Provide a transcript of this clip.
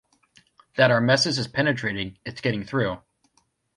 That our message is penetrating, it's getting through.